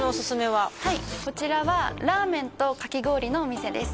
はいこちらはラーメンとかき氷のお店です